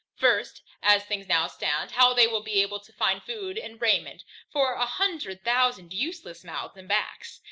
First, As things now stand, how they will be able to find food and raiment for a hundred thousand useless mouths and backs.